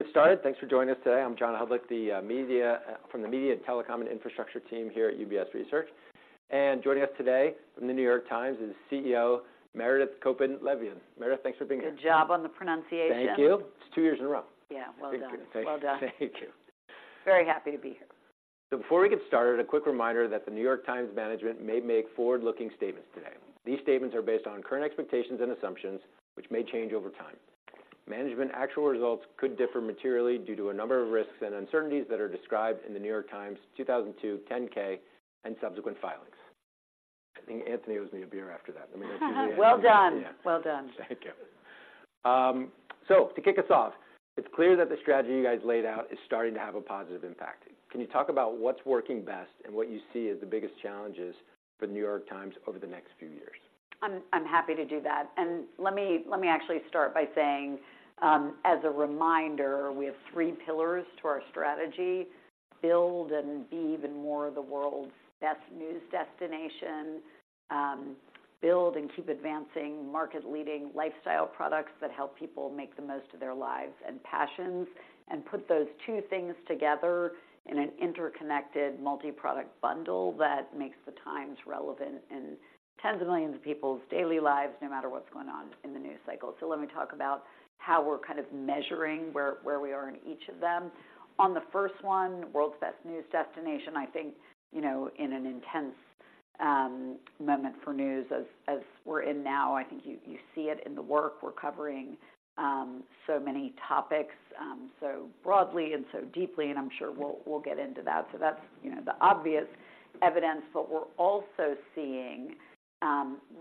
Get started. Thanks for joining us today. I'm John Hodulik, the media from the Media and Telecom and Infrastructure team here at UBS Research. And joining us today from The New York Times is CEO Meredith Kopit Levien. Meredith, thanks for being here. Good job on the pronunciation. Thank you. It's two years in a row. Yeah, well done. Thank you. Well done. Thank you. Very happy to be here. So before we get started, a quick reminder that The New York Times management may make forward-looking statements today. These statements are based on current expectations and assumptions, which may change over time. Management's actual results could differ materially due to a number of risks and uncertainties that are described in The New York Times 2002 10-K and subsequent filings. I think Anthony owes me a beer after that. Let me know- Well done! Yeah. Well done. Thank you. So to kick us off, it's clear that the strategy you guys laid out is starting to have a positive impact. Can you talk about what's working best, and what you see as the biggest challenges for The New York Times over the next few years? I'm happy to do that. Let me actually start by saying, as a reminder, we have three pillars to our strategy: build and be even more of the world's best news destination, build and keep advancing market-leading lifestyle products that help people make the most of their lives and passions, and put those two things together in an interconnected multi-product bundle that makes the Times relevant in tens of millions of people's daily lives, no matter what's going on in the news cycle. So let me talk about how we're kind of measuring where we are in each of them. On the first one, world's best news destination, I think, you know, in an intense moment for news as we're in now, I think you see it in the work. We're covering so many topics so broadly and so deeply, and I'm sure we'll, we'll get into that. So that's, you know, the obvious evidence, but we're also seeing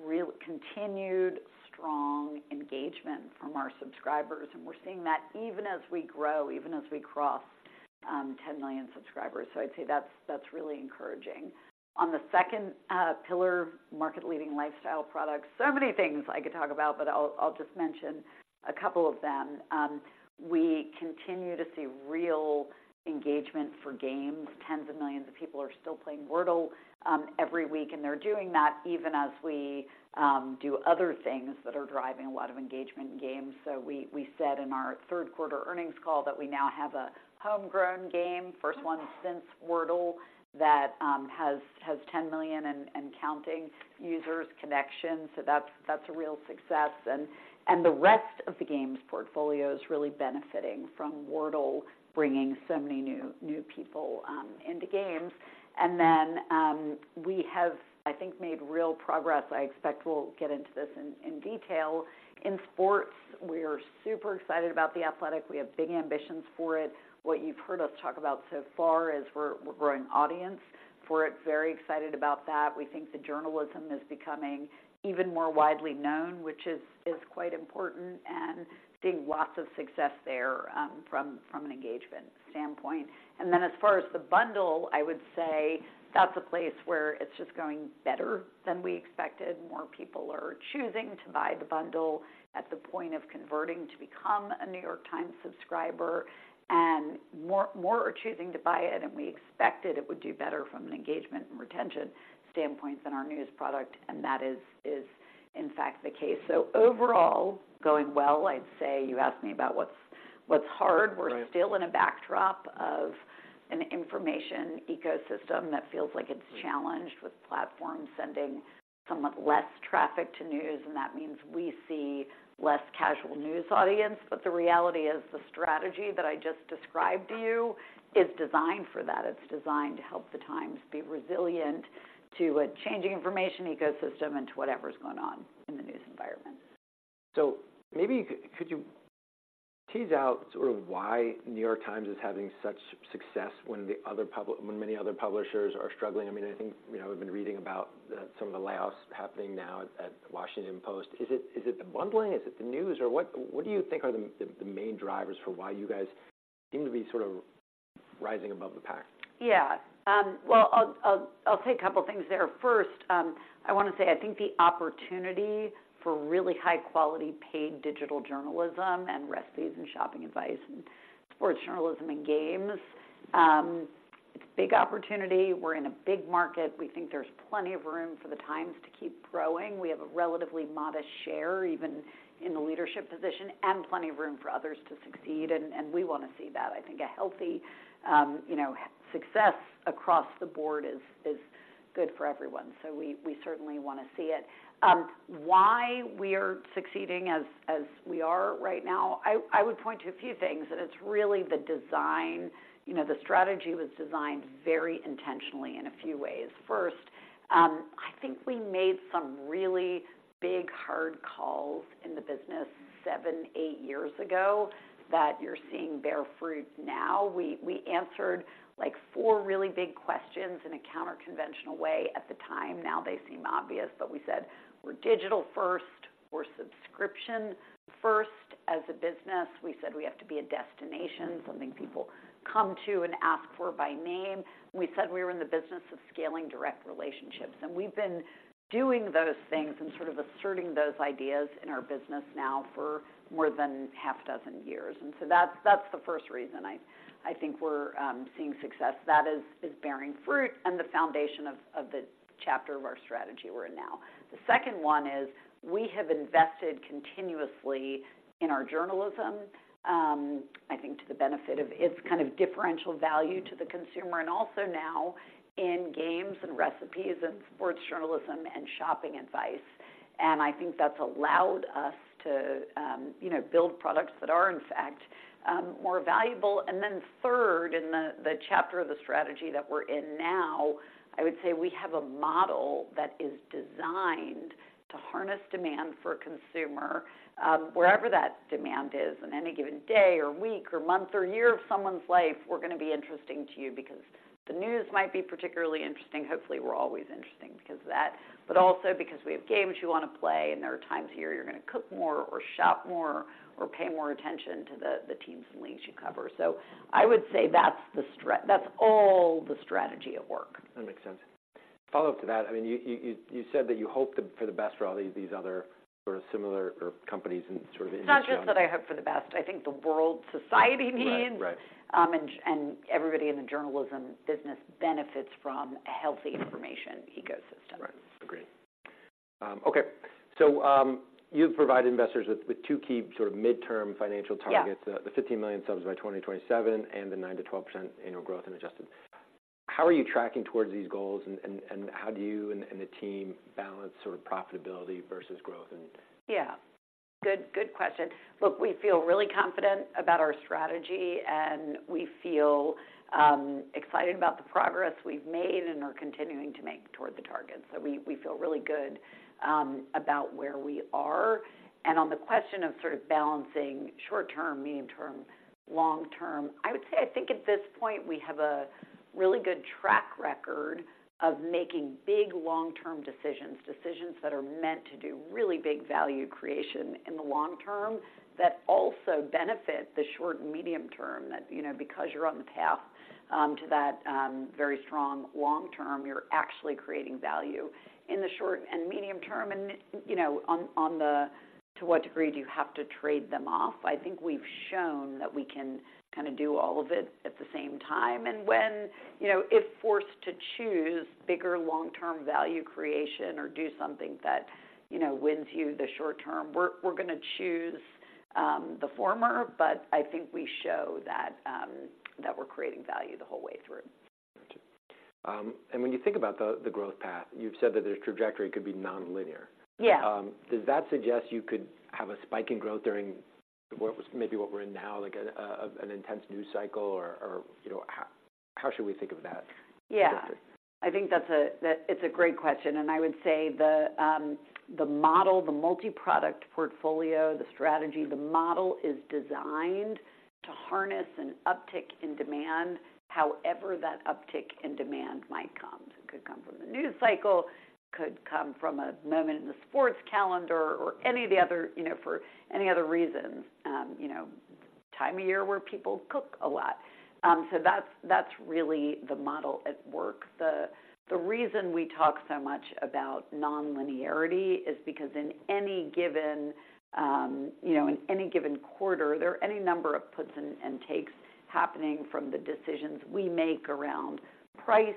real continued strong engagement from our subscribers, and we're seeing that even as we grow, even as we cross 10 million subscribers. So I'd say that's, that's really encouraging. On the second pillar, market-leading lifestyle products, so many things I could talk about, but I'll, I'll just mention a couple of them. We continue to see real engagement for games. Tens of millions of people are still playing Wordle every week, and they're doing that even as we do other things that are driving a lot of engagement in games. So we said in our third quarter earnings call that we now have a homegrown game, first one since Wordle, that has 10 million and counting users Connections. So that's a real success. And the rest of the games portfolio is really benefiting from Wordle, bringing so many new people into games. And then we have, I think, made real progress. I expect we'll get into this in detail. In sports, we are super excited about The Athletic. We have big ambitions for it. What you've heard us talk about so far is we're growing audience for it. Very excited about that. We think the journalism is becoming even more widely known, which is quite important, and seeing lots of success there from an engagement standpoint. And then as far as the bundle, I would say that's a place where it's just going better than we expected. More people are choosing to buy the bundle at the point of converting to become a New York Times subscriber, and more, more are choosing to buy it than we expected. It would do better from an engagement and retention standpoint than our news product, and that is, is in fact the case. So overall, going well, I'd say you asked me about what's, what's hard. Right. We're still in a backdrop of an information ecosystem that feels like it's challenged, with platforms sending somewhat less traffic to news, and that means we see less casual news audience. But the reality is, the strategy that I just described to you is designed for that. It's designed to help the Times be resilient to a changing information ecosystem and to whatever's going on in the news environment. So maybe could you tease out sort of why New York Times is having such success when the other public when many other publishers are struggling? I mean, I think, you know, we've been reading about some of the layoffs happening now at The Washington Post. Is it the bundling, is it the news, or what do you think are the main drivers for why you guys seem to be sort of rising above the pack? Yeah. Well, I'll say a couple things there. First, I want to say, I think the opportunity for really high-quality paid digital journalism and recipes and shopping advice and sports journalism and games, it's a big opportunity. We're in a big market. We think there's plenty of room for The Times to keep growing. We have a relatively modest share, even in the leadership position, and plenty of room for others to succeed, and we want to see that. I think a healthy, you know, success across the board is good for everyone, so we certainly want to see it. Why we are succeeding as we are right now, I would point to a few things, and it's really the design. You know, the strategy was designed very intentionally in a few ways. First, I think we made some really big, hard calls in the business 7, 8 years ago, that you're seeing bear fruit now. We answered, like, 4 really big questions in a counter-conventional way at the time. Now they seem obvious, but we said, "We're digital first. We're subscription first as a business." We said, "We have to be a destination, something people come to and ask for by name." We said we were in the business of scaling direct relationships, and we've been doing those things and sort of asserting those ideas in our business now for more than half a dozen years. And so that's the first reason I think we're seeing success that is bearing fruit and the foundation of the chapter of our strategy we're in now. The second one is we have invested continuously in our journalism, I think to the benefit of its kind of differential value to the consumer, and also now in games, and recipes, and sports journalism, and shopping advice. And I think that's allowed us to, you know, build products that are, in fact, more valuable. And then third, in the, the chapter of the strategy that we're in now, I would say we have a model that is designed to harness demand for a consumer, wherever that demand is. In any given day, or week, or month, or year of someone's life, we're gonna be interesting to you because the news might be particularly interesting. Hopefully, we're always interesting because of that, but also because we have games you want to play, and there are times a year you're gonna cook more, or shop more, or pay more attention to the teams and leagues you cover. So I would say that's the strategy. That's all the strategy at work. That makes sense. Follow-up to that, I mean, you said that you hope the best for all these other sort of similar or companies in sort of- It's not just that I hope for the best. I think the world society needs- Right. Right. Everybody in the journalism business benefits from a healthy information ecosystem. Right. Agreed. Okay, so, you've provided investors with two key sort of midterm financial targets. Yeah. The 15 million subs by 2027, and the 9% to 12% annual growth in adjusted. How are you tracking towards these goals, and how do you and the team balance sort of profitability versus growth and- Yeah. Good, good question. Look, we feel really confident about our strategy, and we feel excited about the progress we've made and are continuing to make toward the target. So we, we feel really good about where we are. And on the question of sort of balancing short term, medium term, long term, I would say, I think at this point, we have a really good track record of making big, long-term decisions. Decisions that are meant to do really big value creation in the long term, that also benefit the short and medium term. That, you know, because you're on the path to that very strong long term, you're actually creating value in the short and medium term. And, you know, on, on the... To what degree do you have to trade them off? I think we've shown that we can kind of do all of it at the same time, and when you know, if forced to choose bigger long-term value creation or do something that, you know, wins you the short term, we're gonna choose the former, but I think we show that that we're creating value the whole way through. Gotcha. And when you think about the growth path, you've said that the trajectory could be nonlinear. Yeah. Does that suggest you could have a spike in growth during what was maybe what we're in now, like, an intense news cycle or you know, how should we think of that? Yeah. Okay. I think that's a great question, and I would say the model, the multi-product portfolio, the strategy, the model is designed to harness an uptick in demand, however that uptick in demand might come. It could come from the news cycle, could come from a moment in the sports calendar or any of the other... You know, for any other reasons, you know, time of year where people cook a lot. So that's really the model at work. The reason we talk so much about nonlinearity is because in any given, you know, in any given quarter, there are any number of puts and takes happening from the decisions we make around price,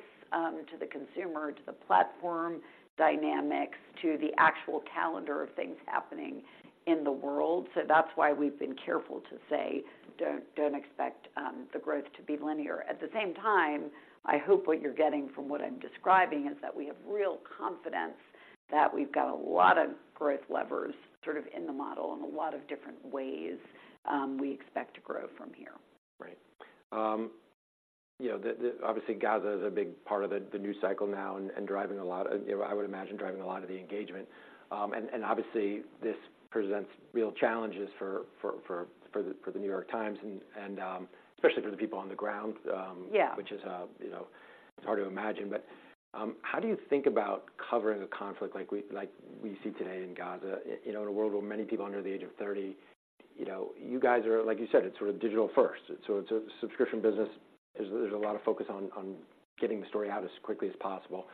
to the consumer, to the platform dynamics, to the actual calendar of things happening in the world. So that's why we've been careful to say, "Don't, don't expect the growth to be linear." At the same time, I hope what you're getting from what I'm describing is that we have real confidence that we've got a lot of growth levers sort of in the model, and a lot of different ways we expect to grow from here. Right. You know, obviously, Gaza is a big part of the news cycle now and driving a lot... I would imagine, driving a lot of the engagement. And obviously, this presents real challenges for the New York Times and, especially for the people on the ground. Yeah. Which is, you know, it's hard to imagine. But, how do you think about covering a conflict like we see today in Gaza, you know, in a world where many people under the age of thirty, you know, you guys are... Like you said, it's sort of digital first. So it's a subscription business. There's a lot of focus on getting the story out as quickly as possible.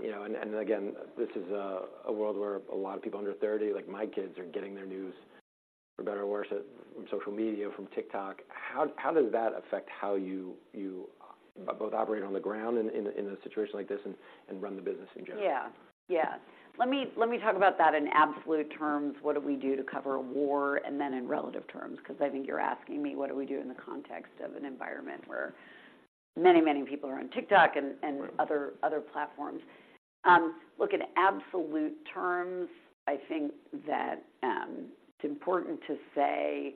You know, and again, this is a world where a lot of people under thirty, like my kids, are getting their news, for better or worse, from social media, from TikTok. How does that affect how you both operate on the ground in a situation like this and run the business in general? Yeah. Yeah. Let me, let me talk about that in absolute terms, what do we do to cover a war, and then in relative terms, because I think you're asking me what do we do in the context of an environment where many, many people are on TikTok and- Right... other platforms. Look, in absolute terms, I think that it's important to say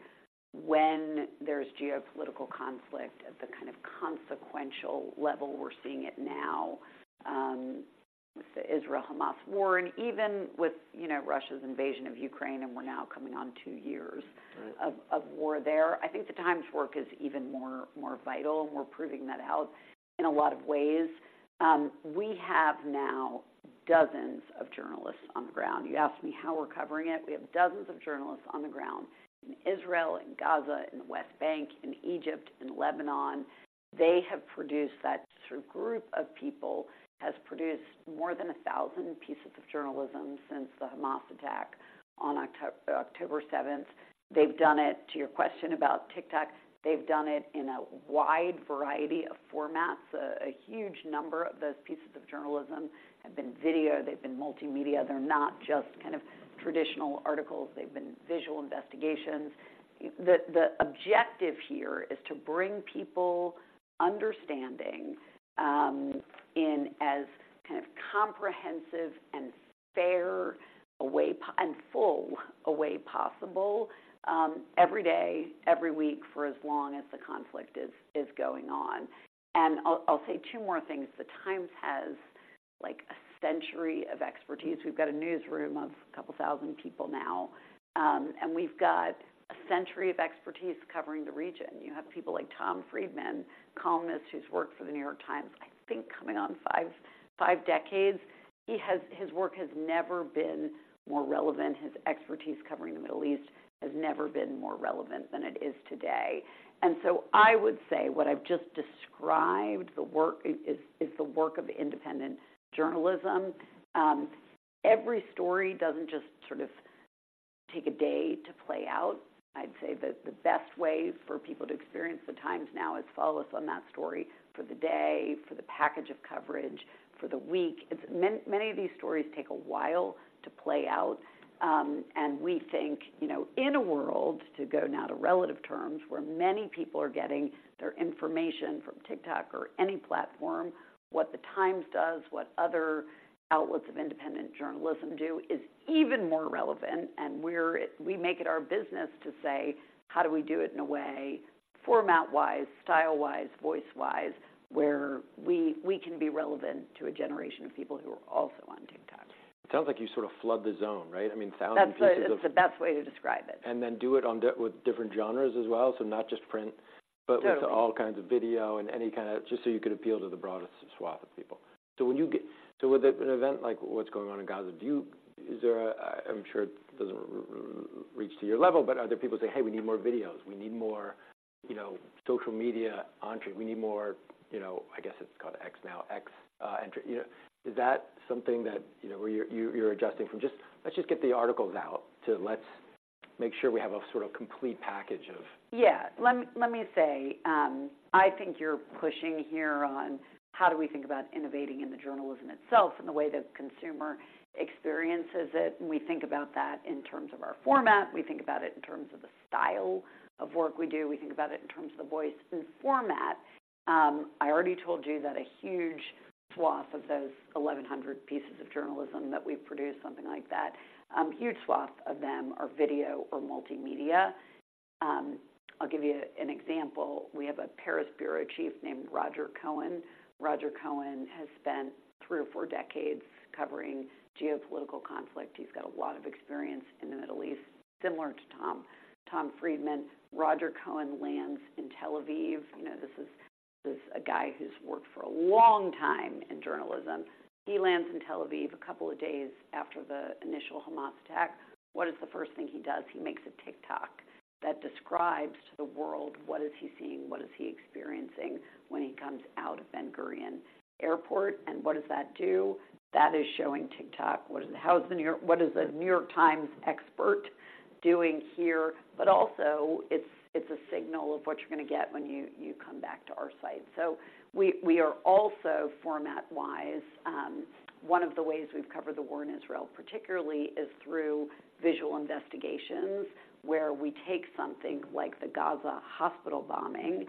when there's geopolitical conflict at the kind of consequential level we're seeing it now, with the Israel-Hamas war, and even with, you know, Russia's invasion of Ukraine, and we're now coming on two years- Right... of war there. I think the Times work is even more vital, and we're proving that out in a lot of ways. We have now dozens of journalists on the ground. You asked me how we're covering it. We have dozens of journalists on the ground in Israel, in Gaza, in the West Bank, in Egypt, in Lebanon. They have produced that. That group of people has produced more than 1,000 pieces of journalism since the Hamas attack on October seventh. They've done it, to your question about TikTok, they've done it in a wide variety of formats. A huge number of those pieces of journalism have been video, they've been multimedia. They're not just kind of traditional articles, they've been visual investigations. The objective here is to bring people understanding in as kind of comprehensive and fair a way, and full a way possible, every day, every week, for as long as the conflict is going on. I'll say two more things. The Times has, like, a century of expertise. We've got a newsroom of a couple thousand people now, and we've got a century of expertise covering the region. You have people like Tom Friedman, columnist, who's worked for The New York Times, I think, coming on five decades. He has. His work has never been more relevant. His expertise covering the Middle East has never been more relevant than it is today. And so I would say what I've just described, the work, is the work of independent journalism. Every story doesn't just sort of take a day to play out. I'd say that the best way for people to experience the Times now is follow us on that story for the day, for the package of coverage, for the week. It's many, many of these stories take a while to play out, and we think, you know, in a world, to go now to relative terms, where many people are getting their information from TikTok or any platform, what the Times does, what other outlets of independent journalism do, is even more relevant. And we're, we make it our business to say, "How do we do it in a way, format-wise, style-wise, voice-wise, where we, we can be relevant to a generation of people who are also on TikTok? It sounds like you sort of flood the zone, right? I mean, thousands pieces of- That's the, it's the best way to describe it. Then do it on with different genres as well. Not just print- Certainly... but with all kinds of video and any kind of... Just so you could appeal to the broadest swath of people. So when you get so with an event like what's going on in Gaza, do you, is there a... I'm sure it doesn't reach to your level, but other people say, "Hey, we need more videos. We need more, you know, social media entry. We need more," you know, I guess it's called X now, "X entry." You know, is that something that, you know, where you're, you're adjusting from just, "Let's just get the articles out," to "Let's make sure we have a sort of complete package of- Yeah. Let me, let me say, I think you're pushing here on how do we think about innovating in the journalism itself and the way the consumer experiences it. We think about that in terms of our format. We think about it in terms of the style of work we do. We think about it in terms of the voice and format. I already told you that a huge swath of those 1,100 pieces of journalism that we've produced, something like that, huge swath of them are video or multimedia. I'll give you an example. We have a Paris bureau chief named Roger Cohen. Roger Cohen has spent three or four decades covering geopolitical conflict. He's got a lot of experience in the Middle East, similar to Tom, Tom Friedman. Roger Cohen lands in Tel Aviv. You know, this is, this is a guy who's worked for a long time in journalism. He lands in Tel Aviv a couple of days after the initial Hamas attack. What is the first thing he does? He makes a TikTok that describes to the world what is he seeing, what is he experiencing when he comes out of Ben Gurion Airport. And what does that do? That is showing TikTok, what is the- how is the New- what is a New York Times expert doing here? But also, it's, it's a signal of what you're going to get when you, you come back to our site. So we are also, format-wise, one of the ways we've covered the war in Israel, particularly, is through visual investigations, where we take something like the Gaza hospital bombing,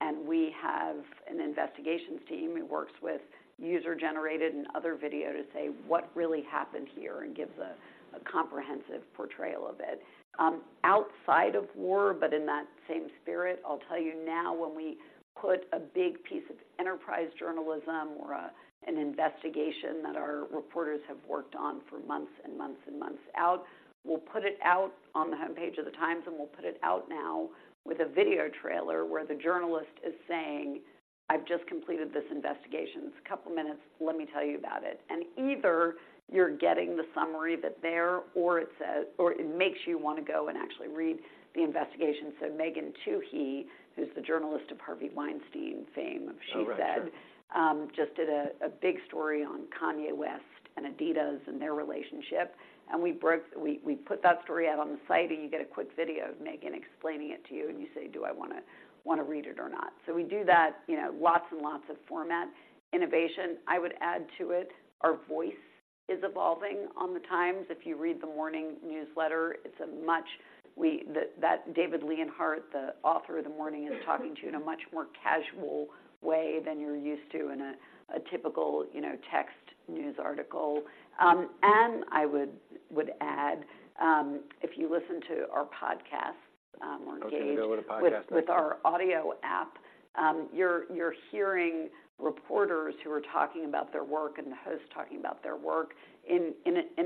and we have an investigations team who works with user-generated and other video to say what really happened here, and gives a comprehensive portrayal of it. Outside of war, but in that same spirit, I'll tell you now, when we put a big piece of enterprise journalism or an investigation that our reporters have worked on for months and months and months out, we'll put it out on the homepage of The Times, and we'll put it out now with a video trailer where the journalist is saying, "I've just completed this investigation. It's a couple of minutes. Let me tell you about it." And either you're getting the summary that's there, or it says, or it makes you want to go and actually read the investigation. So Megan Twohey, who's the journalist of Harvey Weinstein fame- Oh, right. Sure... she said, just did a big story on Kanye West and Adidas and their relationship. And we put that story out on the site, and you get a quick video of Megan explaining it to you, and you say, "Do I wanna read it or not?" So we do that, you know, lots and lots of format innovation. I would add to it, our voice is evolving on The Times. If you read The Morning newsletter, it's much- that David Leonhardt, the author of The Morning, is talking to you in a much more casual way than you're used to in a typical, you know, text news article. And I would add, if you listen to our podcasts, or engage- I was gonna go with a podcast.... with our audio app, you're hearing reporters who are talking about their work and the host talking about their work in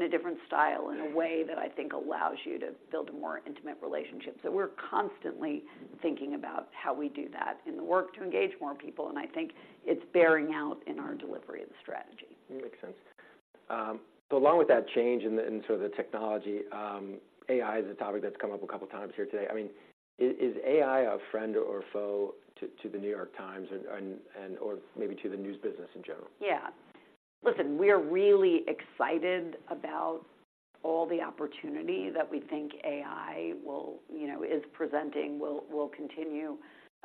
a different style, in a way that I think allows you to build a more intimate relationship. So we're constantly thinking about how we do that in the work to engage more people, and I think it's bearing out in our delivery of the strategy. Makes sense.... So along with that change in sort of the technology, AI is a topic that's come up a couple of times here today. I mean, is AI a friend or foe to The New York Times and, or maybe to the news business in general? Yeah. Listen, we are really excited about all the opportunity that we think AI will, you know, is presenting, will, will continue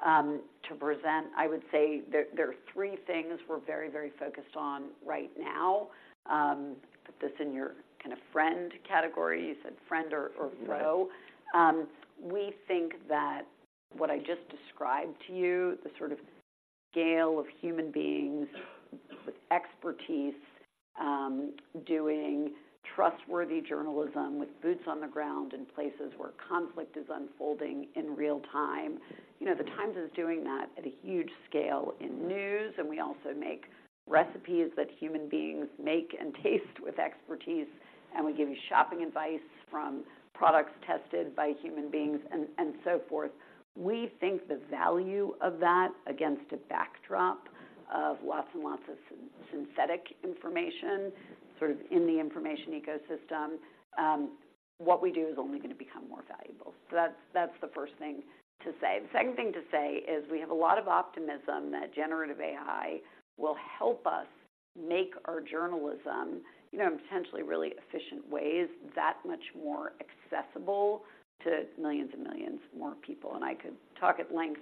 to present. I would say there, there are three things we're very, very focused on right now. Put this in your kind of friend category. You said friend or, or foe. Right. We think that what I just described to you, the sort of scale of human beings with expertise, doing trustworthy journalism with boots on the ground in places where conflict is unfolding in real time. You know, the Times is doing that at a huge scale in news, and we also make recipes that human beings make and taste with expertise. And we give you shopping advice from products tested by human beings and so forth. We think the value of that against a backdrop of lots and lots of synthetic information, sort of in the information ecosystem, what we do is only gonna become more valuable. So that's the first thing to say. The second thing to say is we have a lot of optimism that generative AI will help us make our journalism, you know, in potentially really efficient ways, that much more accessible to millions and millions more people. And I could talk at length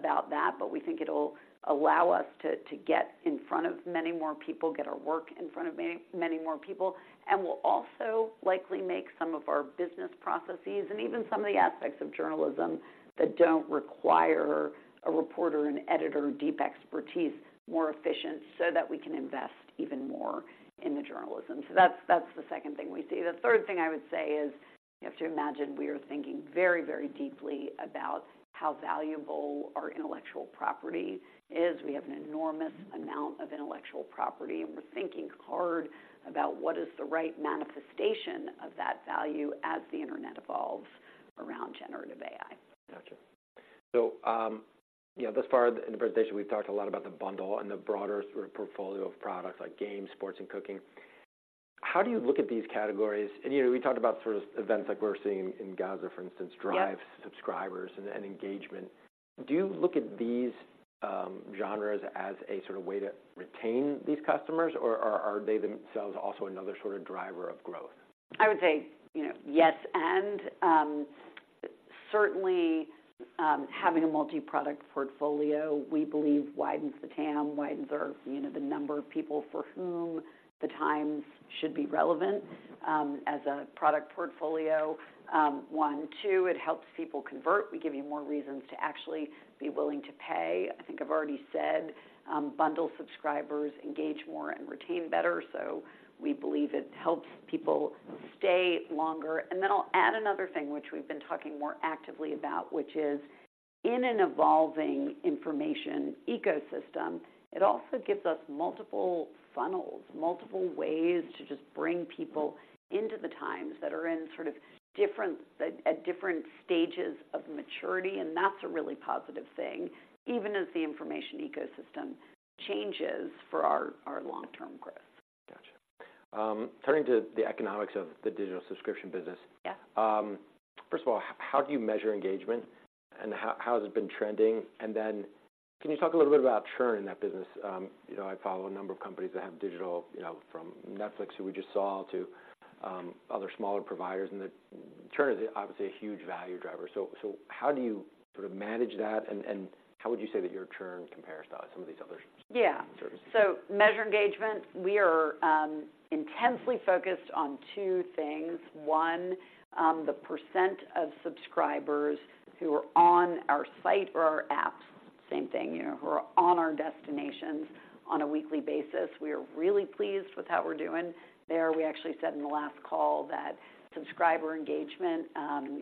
about that, but we think it'll allow us to get in front of many more people, get our work in front of many, many more people. And will also likely make some of our business processes, and even some of the aspects of journalism that don't require a reporter, an editor, deep expertise, more efficient, so that we can invest even more in the journalism. So that's the second thing we see. The third thing I would say is, you have to imagine we are thinking very, very deeply about how valuable our intellectual property is. We have an enormous amount of intellectual property, and we're thinking hard about what is the right manifestation of that value as the internet evolves around generative AI. Gotcha. So, you know, thus far in the presentation, we've talked a lot about the bundle and the broader sort of portfolio of products like games, sports, and cooking. How do you look at these categories? And, you know, we talked about sort of events like we're seeing in Gaza, for instance- Yep... drives subscribers and engagement. Do you look at these genres as a sort of way to retain these customers, or are they themselves also another sort of driver of growth? I would say, you know, yes, and certainly having a multi-product portfolio, we believe widens the TAM, widens our, you know, the number of people for whom The Times should be relevant, as a product portfolio, one. Two, it helps people convert. We give you more reasons to actually be willing to pay. I think I've already said, bundle subscribers engage more and retain better, so we believe it helps people stay longer. And then I'll add another thing, which we've been talking more actively about, which is, in an evolving information ecosystem, it also gives us multiple funnels, multiple ways to just bring people into the Times that are in sort of different, at different stages of maturity, and that's a really positive thing, even as the information ecosystem changes for our, our long-term growth. Gotcha. Turning to the economics of the digital subscription business. Yeah. First of all, how do you measure engagement, and how has it been trending? And then can you talk a little bit about churn in that business? You know, I follow a number of companies that have digital, you know, from Netflix, who we just saw, to other smaller providers, and the churn is obviously a huge value driver. So how do you sort of manage that, and how would you say that your churn compares to some of these others? Yeah. Sorry. So, measure engagement, we are intensely focused on two things. One, the percent of subscribers who are on our site or our apps, same thing, you know, who are on our destinations on a weekly basis. We are really pleased with how we're doing there. We actually said in the last call that subscriber engagement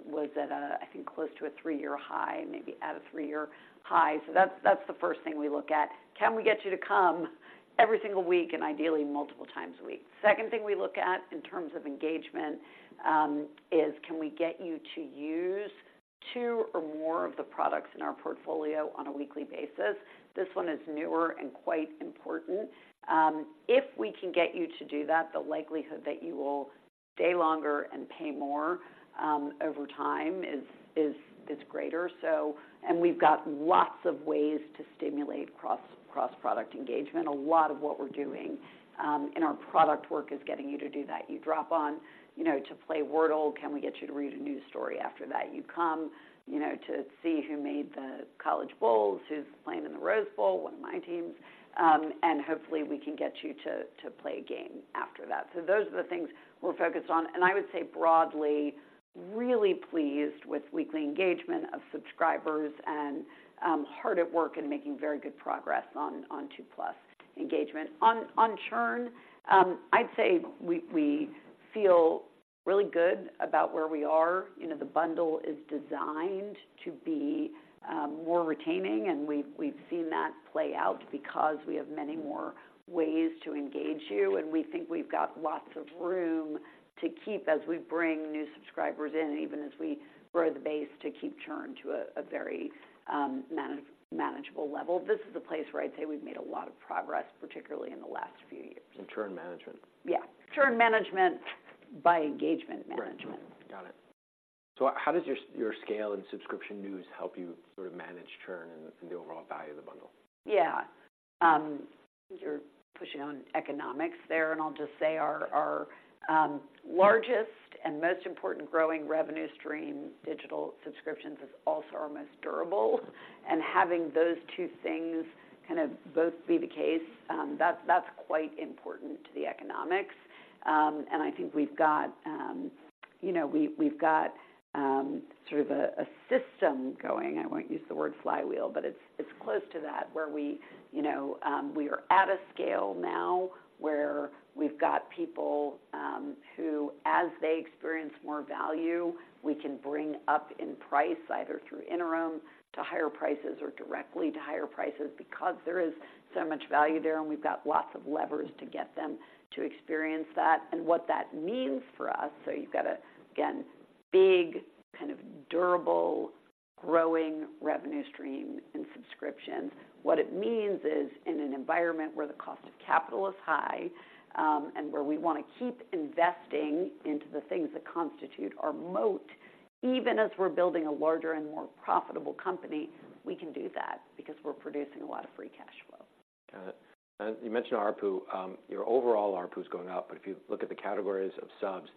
was at a, I think, close to a three-year high, maybe at a three-year high. So that's, that's the first thing we look at: Can we get you to come every single week, and ideally, multiple times a week? Second thing we look at in terms of engagement is, can we get you to use two or more of the products in our portfolio on a weekly basis? This one is newer and quite important. If we can get you to do that, the likelihood that you will stay longer and pay more over time is greater. So... And we've got lots of ways to stimulate cross-product engagement. A lot of what we're doing in our product work is getting you to do that. You drop on, you know, to play Wordle. Can we get you to read a news story after that? You come, you know, to see who made the college bowls, who's playing in the Rose Bowl, one of my teams, and hopefully, we can get you to play a game after that. So those are the things we're focused on, and I would say broadly, really pleased with weekly engagement of subscribers and hard at work and making very good progress on two plus engagement. On churn, I'd say we feel really good about where we are. You know, the bundle is designed to be more retaining, and we've seen that play out because we have many more ways to engage you, and we think we've got lots of room to keep as we bring new subscribers in, even as we grow the base, to keep churn to a very manageable level. This is a place where I'd say we've made a lot of progress, particularly in the last few years. In churn management. Yeah, churn management by engagement management. Right. Got it.... So how does your, your scale and subscription news help you sort of manage churn and the overall value of the bundle? Yeah. You're pushing on economics there, and I'll just say our largest and most important growing revenue stream, digital subscriptions, is also our most durable. And having those two things kind of both be the case, that's quite important to the economics. And I think we've got, you know, we've got sort of a system going. I won't use the word flywheel, but it's close to that, where we, you know, we are at a scale now where we've got people who, as they experience more value, we can bring up in price, either through interim to higher prices or directly to higher prices, because there is so much value there, and we've got lots of levers to get them to experience that. What that means for us, so you've got, again, big kind of durable, growing revenue stream in subscriptions. What it means is, in an environment where the cost of capital is high, and where we want to keep investing into the things that constitute our moat, even as we're building a larger and more profitable company, we can do that because we're producing a lot of free cash flow. Got it. You mentioned ARPU. Your overall ARPU is going up, but if you look at the categories of subs,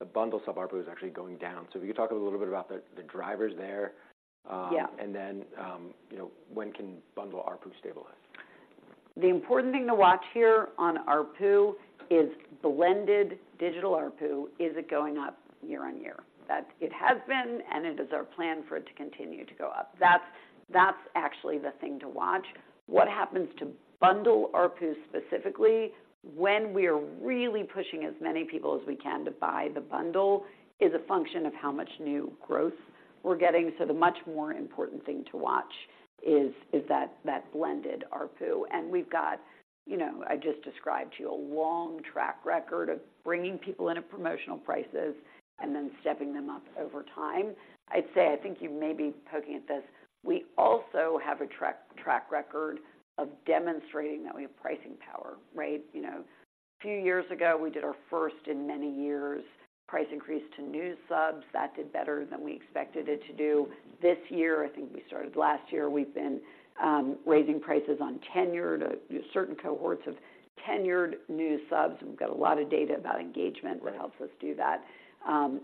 the bundle sub-ARPU is actually going down. So if you could talk a little bit about the drivers there? Yeah. Then, you know, when can bundle ARPU stabilize? The important thing to watch here on ARPU is blended digital ARPU. Is it going up year-over-year? That it has been, and it is our plan for it to continue to go up. That's actually the thing to watch. What happens to bundle ARPU, specifically, when we are really pushing as many people as we can to buy the bundle, is a function of how much new growth we're getting. So the much more important thing to watch is that blended ARPU. And we've got, you know, I just described to you a long track record of bringing people in at promotional prices and then stepping them up over time. I'd say, I think you may be poking at this: we also have a track record of demonstrating that we have pricing power, right? You know, a few years ago, we did our first, in many years, price increase to new subs. That did better than we expected it to do. This year, I think we started last year, we've been raising prices on tenured, certain cohorts of tenured news subs. We've got a lot of data about engagement that helps us do that,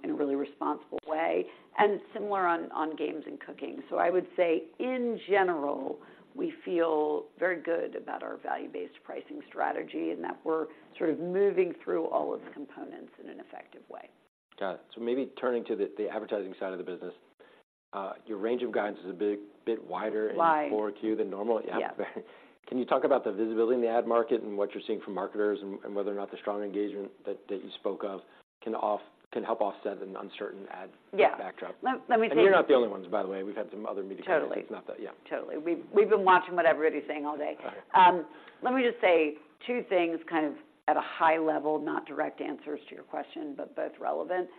in a really responsible way, and similar on, on games and cooking. So I would say, in general, we feel very good about our value-based pricing strategy and that we're sort of moving through all of the components in an effective way. Got it. So maybe turning to the advertising side of the business. Your range of guidance is a bit wider- Wide and more Q than normal. Yeah. Yeah. Can you talk about the visibility in the ad market and what you're seeing from marketers, and whether or not the strong engagement that you spoke of can help offset an uncertain ad- Yeah - backdrop? Let me tell you- You're not the only ones, by the way. We've had some other media- Totally. It's not that. Yeah. Totally. We've been watching what everybody's saying all day. Okay. Let me just say two things, kind of at a high level, not direct answers to your question, but both relevant.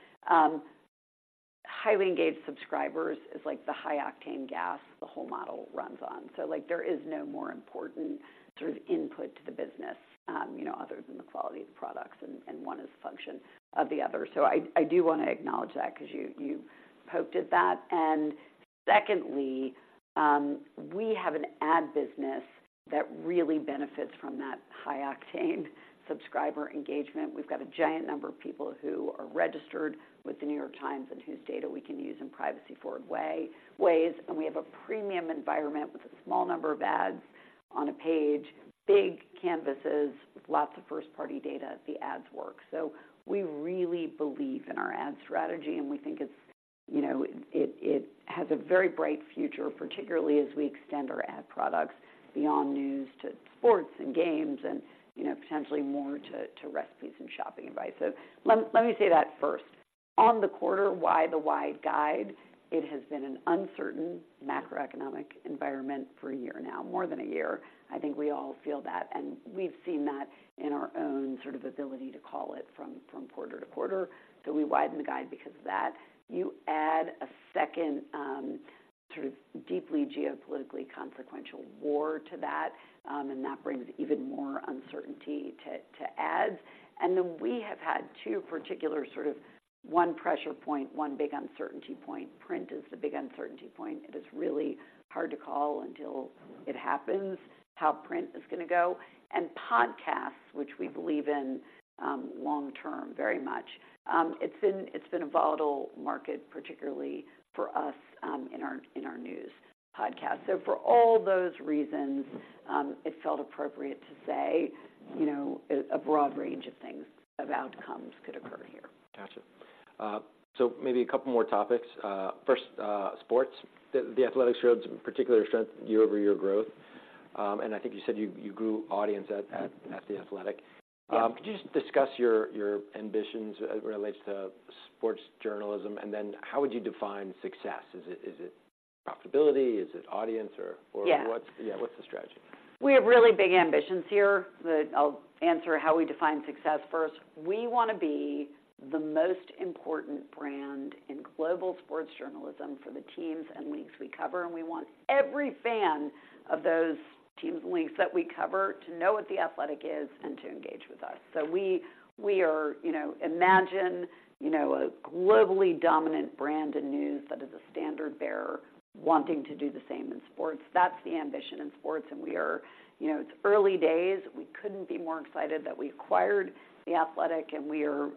Highly engaged subscribers is like the high-octane gas the whole model runs on. So, like, there is no more important sort of input to the business, you know, other than the quality of the products, and one is a function of the other. So I do want to acknowledge that because you poked at that. And secondly, we have an ad business that really benefits from that high-octane subscriber engagement. We've got a giant number of people who are registered with The New York Times and whose data we can use in privacy-forward ways, and we have a premium environment with a small number of ads on a page, big canvases, with lots of first-party data. The ads work. So we really believe in our ad strategy, and we think it's, you know, it has a very bright future, particularly as we extend our ad products beyond news to sports and games and, you know, potentially more to recipes and shopping advice. So let me say that first. On the quarter, why the wide guide? It has been an uncertain macroeconomic environment for a year now, more than a year. I think we all feel that, and we've seen that in our own sort of ability to call it from quarter to quarter. So we widened the guide because of that. You add a second sort of deeply geopolitically consequential war to that, and that brings even more uncertainty to ads. And then we have had two particular sort of one pressure point, one big uncertainty point. Print is the big uncertainty point. It is really hard to call until it happens, how print is going to go. And podcasts, which we believe in, long term, very much, it's been a volatile market, particularly for us, in our news podcast. So for all those reasons, it felt appropriate to say, you know, a broad range of things, of outcomes could occur here. Gotcha. So maybe a couple more topics. First, sports. The Athletic shows particular strength year-over-year growth, and I think you said you grew audience at The Athletic. Yeah. Could you just discuss your ambitions as it relates to sports journalism? And then how would you define success? Is it profitability? Is it audience, or- Yeah... yeah, what's the strategy? We have really big ambitions here. I'll answer how we define success first. We want to be the most important brand in global sports journalism for the teams and leagues we cover, and we want every fan of those teams and leagues that we cover to know what The Athletic is and to engage with us. So we are, you know, imagine, you know, a globally dominant brand in news that is a standard bearer wanting to do the same in sports. That's the ambition in sports, and we are, you know, it's early days. We couldn't be more excited that we acquired The Athletic, and we are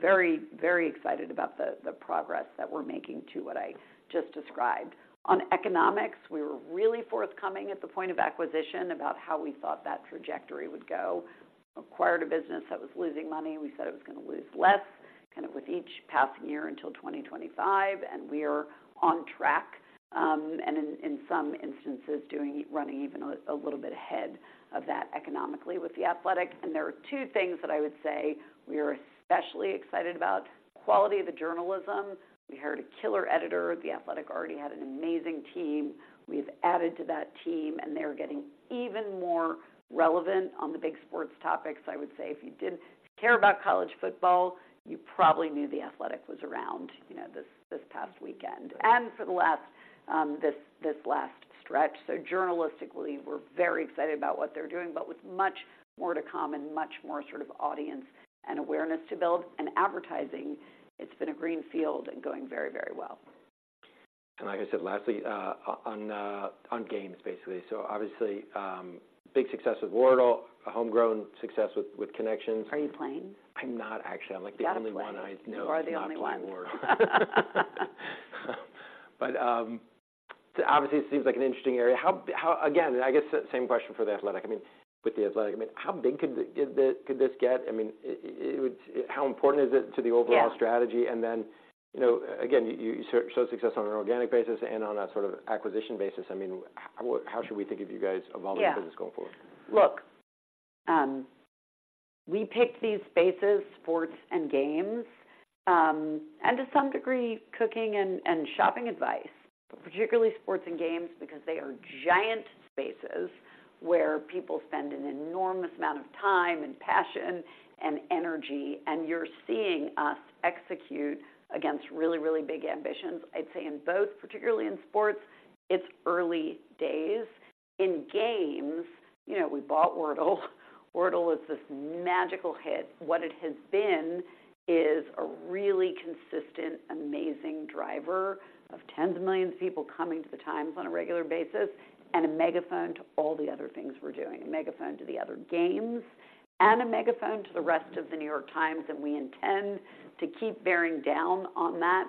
very, very excited about the progress that we're making to what I just described. On economics, we were really forthcoming at the point of acquisition about how we thought that trajectory would go. Acquired a business that was losing money, we said it was gonna lose less, kind of with each passing year until 2025, and we are on track, and in some instances, running even a little bit ahead of that economically with The Athletic. And there are two things that I would say we are especially excited about: quality of the journalism. We hired a killer editor. The Athletic already had an amazing team. We've added to that team, and they're getting even more relevant on the big sports topics. I would say if you did care about college football, you probably knew The Athletic was around, you know, this past weekend, and for the last, this last stretch. So journalistically, we're very excited about what they're doing, but with much more to come and much more sort of audience and awareness to build. And advertising, it's been a green field and going very, very well. Like I said, lastly, on games, basically. Obviously, big success with Wordle, a homegrown success with Connections. Are you playing? I'm not, actually. I'm, like, the only one- You are the only one. But, obviously, this seems like an interesting area. How... Again, I guess same question for The Athletic. I mean, with The Athletic, I mean, how big could this get? I mean, it would—how important is it to the overall- Yeah... strategy? And then, you know, again, you show success on an organic basis and on a sort of acquisition basis. I mean, how should we think of you guys- Yeah... evolving the business going forward? Look, we picked these spaces, sports and games, and to some degree, cooking and shopping advice, but particularly sports and games, because they are giant spaces where people spend an enormous amount of time and passion and energy, and you're seeing us execute against really, really big ambitions. I'd say in both, particularly in sports, it's early days. In games, you know, we bought Wordle. Wordle is this magical hit. What it has been is a really consistent, amazing driver of tens of millions of people coming to The Times on a regular basis, and a megaphone to all the other things we're doing, a megaphone to the other games, and a megaphone to the rest of The New York Times, and we intend to keep bearing down on that.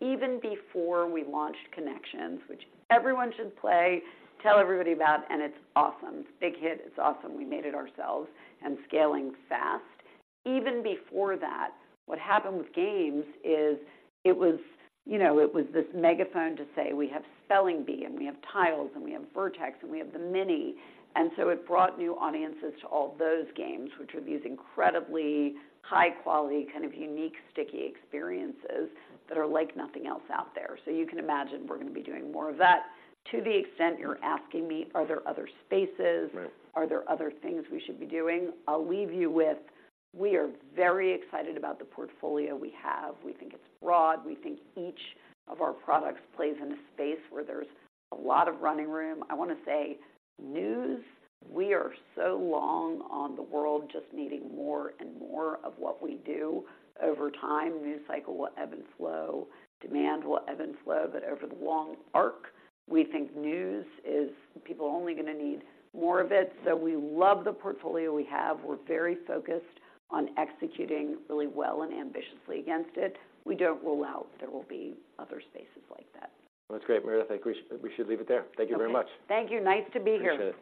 Even before we launched Connections, which everyone should play, tell everybody about, and it's awesome. It's a big hit. It's awesome. We made it ourselves and scaling fast. Even before that, what happened with Games is it was, you know, it was this megaphone to say: We have Spelling Bee, and we have Tiles, and we have Vertex, and we have The Mini. And so it brought new audiences to all those games, which are these incredibly high quality, kind of unique, sticky experiences that are like nothing else out there. So you can imagine we're going to be doing more of that. To the extent you're asking me, are there other spaces? Right. Are there other things we should be doing? I'll leave you with, we are very excited about the portfolio we have. We think it's broad. We think each of our products plays in a space where there's a lot of running room. I want to say, news, we are so long on the world, just needing more and more of what we do over time. News cycle will ebb and flow, demand will ebb and flow, but over the long arc, we think news is... People are only going to need more of it. So we love the portfolio we have. We're very focused on executing really well and ambitiously against it. We don't rule out there will be other spaces like that. That's great, Meredith. I think we should, we should leave it there. Thank you very much. Thank you. Nice to be here.